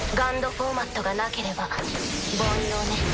フォーマットがなければ凡庸ね。